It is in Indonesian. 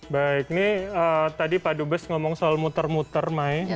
baik ini tadi pak dubes ngomong soal muter muter mai